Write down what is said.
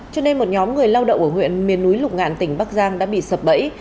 cho nên một nhóm người lao động ở huyện miền núi lục ngạn tỉnh bắc giang đã bị sập bẫy